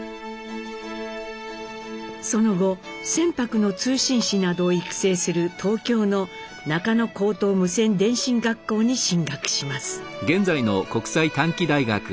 その後船舶の通信士などを育成する東京の中野高等無線電信学校に進学します。